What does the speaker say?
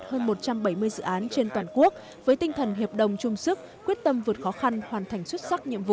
hơn một trăm bảy mươi dự án trên toàn quốc với tinh thần hiệp đồng chung sức quyết tâm vượt khó khăn hoàn thành xuất sắc nhiệm vụ